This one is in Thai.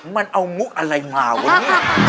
มันเอามุกอะไรมาวะเนี่ย